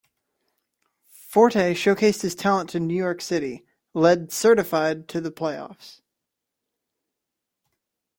Forte showcased his talent to New York City, led Certified to the playoffs.